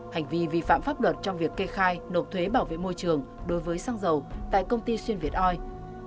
hành vi vi phạm pháp luật trong việc kê khai nộp thuế bảo vệ môi trường đối với xăng dầu tại công ty xuyên việt oi